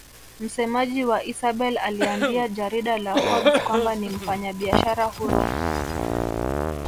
Msemaji wa Isabel aliambia jarida la Forbes kwamba ni mfanyabiashara huru